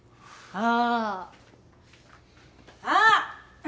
ああ。